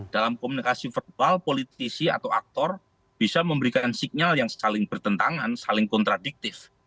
dalam komunikasi verbal politisi atau aktor bisa memberikan signal yang saling bertentangan saling kontradiktif